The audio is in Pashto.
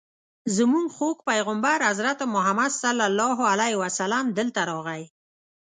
زموږ خوږ پیغمبر حضرت محمد صلی الله علیه وسلم دلته راغی.